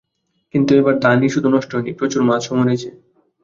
কিন্তু এবার ধানই শুধু নষ্ট হয়নি, প্রচুর মাছও মরেছে।